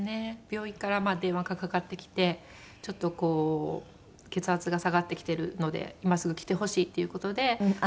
病院から電話がかかってきてちょっとこう「血圧が下がってきてるので今すぐ来てほしい」っていう事で私たちスタッフ。